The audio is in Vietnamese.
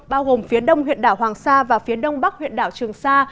bao gồm phía đông huyện đảo hoàng sa và phía đông bắc huyện đảo trường sa